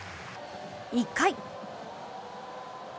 １回。